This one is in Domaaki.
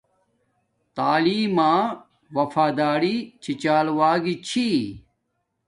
تعیلم ما وفاداری چھی چال وگی چھی